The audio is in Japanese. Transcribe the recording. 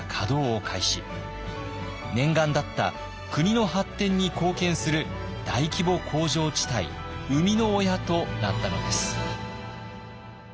念願だった国の発展に貢献する大規模工場地帯生みの親となったのです。